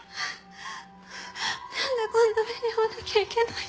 何でこんな目に遭わなきゃいけないの？